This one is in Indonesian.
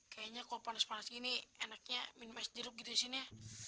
kayaknya kalau panas panas gini enaknya minum ais jeruk gitu sin ya